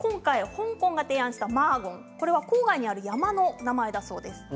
香港が提案した「マーゴン」これは郊外にある山の名前だそうです。